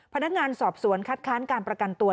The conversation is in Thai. พนักงานสอบสวนคัดค้านการประกันตัว